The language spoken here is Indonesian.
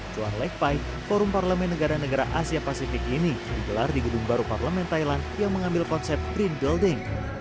cuan leg pipe forum parlemen negara negara asia pasifik ini digelar di gedung baru parlemen thailand yang mengambil konsep green building